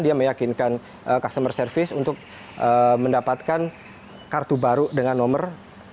dia meyakinkan customer service untuk mendapatkan kartu baru dengan nomor